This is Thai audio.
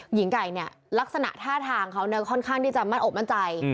หญิงไก่เนี่ยลักษณะท่าทางเขาค่อนข้างที่จะมั่นอกมั่นใจ